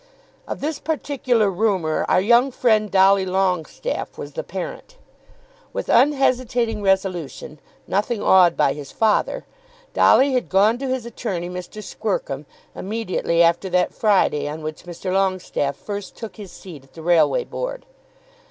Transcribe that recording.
Of this particular rumour our young friend Dolly Longestaffe was the parent. With unhesitating resolution, nothing awed by his father, Dolly had gone to his attorney, Mr. Squercum, immediately after that Friday on which Mr. Longestaffe first took his seat at the Railway Board.